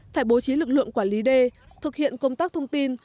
phải bố trí lực lượng quản lý đê thực hiện công tác thông tin